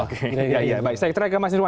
oke baik saya kemasin ibu